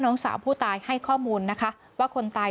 น้องสาวผู้ตายให้ข้อมูลนะคะว่าคนตาย